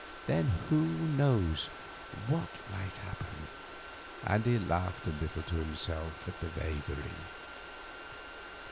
Then who knows what might happen?" and he laughed a little to himself at the vagary.